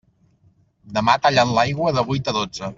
Demà tallen l'aigua de vuit a dotze.